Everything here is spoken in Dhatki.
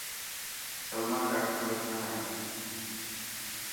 سلمان ڏاڌو پريشان هي.